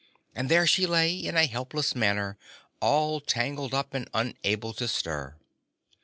And there she lay, in a helpless manner, all tangled up and unable to stir.